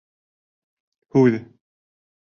Һүҙ.